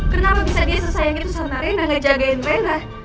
kenapa bisa dia sesayang itu sama reina gak jagain reina